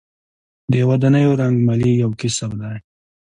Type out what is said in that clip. د ودانیو رنګمالي یو کسب دی